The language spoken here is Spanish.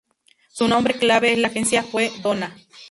Su nombre clave en la agencia fue "Donna".